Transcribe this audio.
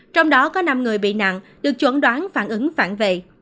trong đó có năm người bị nạn được chuẩn đoán phản ứng phản vệ